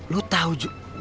lu tau juga